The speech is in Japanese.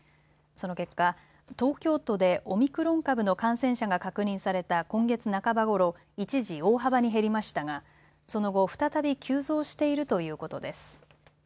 その結果、東京都でオミクロン株の感染者が確認された今月半ばごろ一時大幅に減りましたがその後、再び急増しているということです。